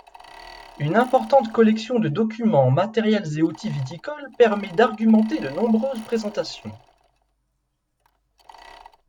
Une importante collection de documents, matériels et outils viticoles permet d'argumenter de nombreuses présentations.